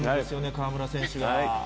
河村選手が。